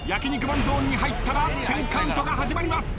マンゾーンに入ったら１０カウントが始まります。